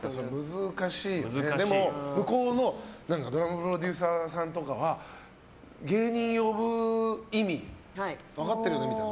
難しいよねでも向こうのドラマのプロデューサーさんとかは芸人を呼ぶ意味分かってるの？みたいな。